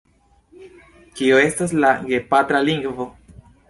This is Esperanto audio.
Kio estas la gepatra lingvo?